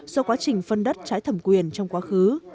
do quá trình phân đất trái thẩm quyền trong quá khứ